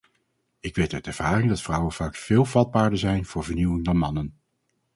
Ik weet uit ervaring dat vrouwen vaak veel vatbaarder zijn voor vernieuwing dan mannen.